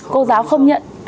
cô giáo không nhận